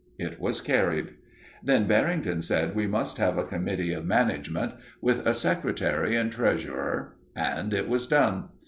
It was carried. Then Barrington said we must have a committee of management, with a secretary and treasurer, and it was done.